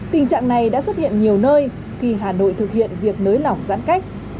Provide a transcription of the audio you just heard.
tình trạng này đã xuất hiện nhiều nơi khi hà nội thực hiện việc nới lỏng giãn cách